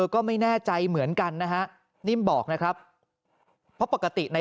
ก็ไม่แน่ใจเหมือนกันนะฮะนิ่มบอกนะครับเพราะปกติใน